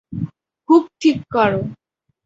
Hook ঠিক করো।